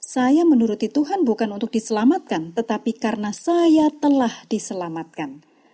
saya menuruti tuhan bukan untuk diselamatkan tetapi karena saya telah diselamatkan